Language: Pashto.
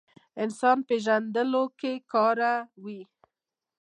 انسان پېژندلو کې کاروي.